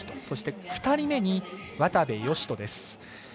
そして２人目に渡部善斗です。